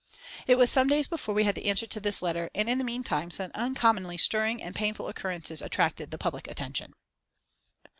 It was some days before we had the answer to this letter, and in the meantime some uncommonly stirring and painful occurrences attracted the public attention.